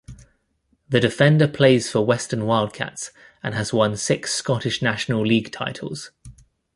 The defender plays for Western Wildcats, and has won six Scottish National League titles.